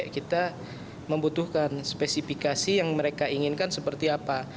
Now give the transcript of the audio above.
kita membutuhkan spesifikasi yang mereka inginkan seperti apa